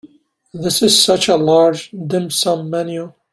This is such a large dim sum menu.